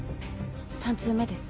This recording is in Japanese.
３通目です。